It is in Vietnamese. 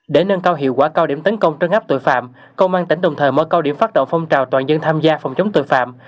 để nâng cao hiệu quả cao điểm tấn công trân áp tội phạm công an tỉnh đồng thời mở cao điểm phát động phong trào toàn dân tham gia phòng chống tội phạm